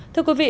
thưa quý vị